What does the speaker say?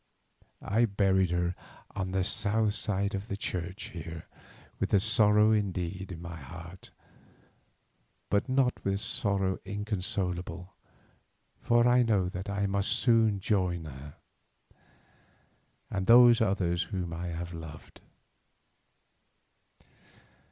I buried her on the south side of the church here, with sorrow indeed, but not with sorrow inconsolable, for I know that I must soon rejoin her, and those others whom I have loved.